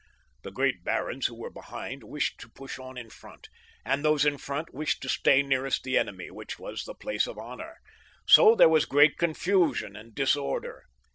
The great barons who were behind wished to push on in front, and those in front wished to stay nearest the enemy, which was the place of honour ; so there was great confusion and disorder.